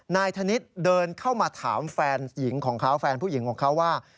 นายธนิษฐ์เดินเข้ามาถามแฟนหญิงของเขาแฟนผู้หญิงของเขาว่า